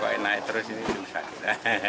kalau bisa naik terus ini susah